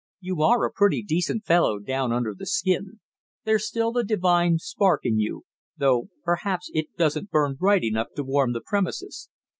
You are a pretty decent fellow down under the skin; there's still the divine spark in you, though perhaps it doesn't burn bright enough to warm the premises.